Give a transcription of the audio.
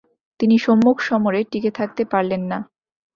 তিনি সম্মুখসমরে টিকে থাকতে পারলেন না।